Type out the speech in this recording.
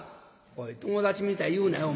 「おい友達みたいに言うなよ。